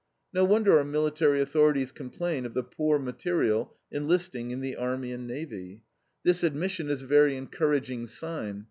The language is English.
No wonder our military authorities complain of the "poor material" enlisting in the army and navy. This admission is a very encouraging sign.